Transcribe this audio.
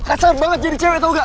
kasar banget jadi cewek tau gak